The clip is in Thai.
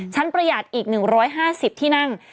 ประหยัดอีก๑๕๐ที่นั่ง